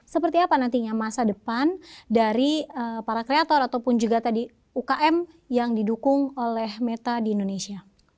seperti apa nantinya masa depan dari para kreator ataupun juga tadi ukm yang didukung oleh meta di indonesia